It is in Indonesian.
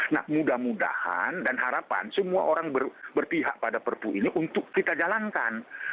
nah mudah mudahan dan harapan semua orang berpihak pada perpu ini untuk kita jalankan